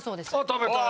食べたい！